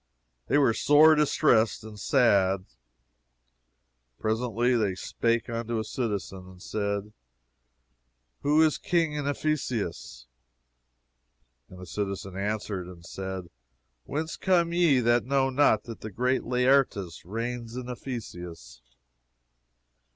They were sore distressed and sad. Presently they spake unto a citizen and said, Who is King in Ephesus? And the citizen answered and said, Whence come ye that ye know not that great Laertius reigns in Ephesus?